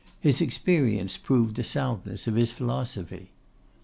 His experience proved the soundness of his philosophy.